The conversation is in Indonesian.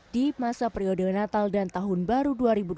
di masa periode natal dan tahun baru dua ribu dua puluh